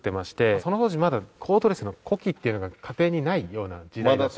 その当時まだコードレスの子機っていうのが家庭にないような時代だった。